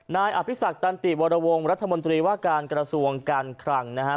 นายอภิษักตันติวรวงรัฐมนตรีว่าการกระทรวงการคลังนะครับ